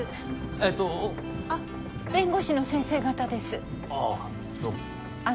ええとあっ弁護士の先生方ですああ